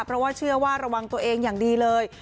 เพราะว่าเชื่อว่าระวังตัวเองอย่างดีเลย